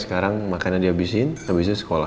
sekarang makannya dihabisin habisnya sekolah